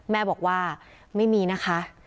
แม่บอกว่าไม่มีนะคะ